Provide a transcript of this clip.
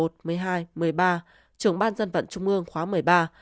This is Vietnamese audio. trưởng ban dân vận trung ương khóa một mươi ba